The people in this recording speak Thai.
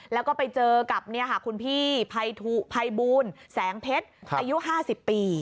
แล้วก็ไปเจอกับคุณพี่ภัยบูลแสงเพชรอายุ๕๐ปี